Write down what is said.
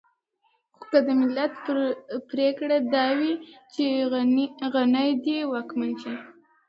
خو که د ملت پرېکړه دا وي چې غني دې واکمن شي.